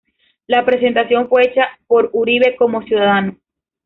La presentación fue hecha por Uribe como ciudadano.